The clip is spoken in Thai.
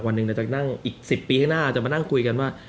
แต่ว่าขอสังคมพุทธแล้วกว่าหนึ่งหนึ่งในอีก๑๐ปีข้างหน้าเราจะมานั่งคุยกันว่า